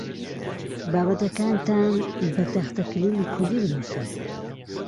بابەتەکانتان بە تەختەکلیلی کوردی بنووسن.